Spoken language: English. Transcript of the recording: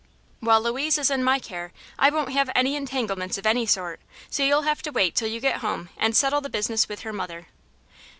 While Louise is in my care I won't have any entanglements of any sort, so you'll have to wait till you get home and settle the business with her mother."